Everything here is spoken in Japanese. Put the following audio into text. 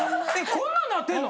こんなんなってんの？